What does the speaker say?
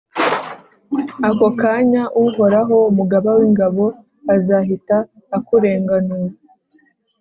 Ako kanya, Uhoraho, Umugaba w’ingabo, azahita akurenganura,